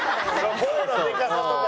声のでかさとか。